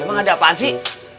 emang ada apaan sih